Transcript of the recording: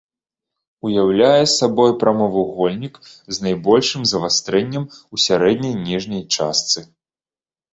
Уяўляе сабой прамавугольнік з найбольшым завастрэннем у сярэдняй ніжняй частцы.